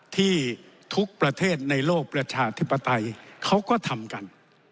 ที่ทุกประเทศในโลกประชาธิปไตยเขาก็ทำกัน